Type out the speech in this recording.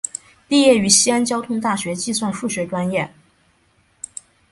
毕业于西安交通大学计算数学专业。